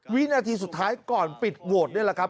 วินาทีสุดท้ายก่อนปิดโหวตนี่แหละครับ